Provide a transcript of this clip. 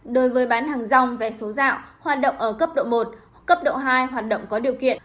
đối với bán hàng rong vé số dạo hoạt động ở cấp độ một cấp độ hai hoạt động có điều kiện